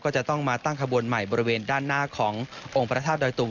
ก็จะต้องมาตั้งขบวนใหม่บริเวณด้านหน้าขององค์พระธาตุดอยตุง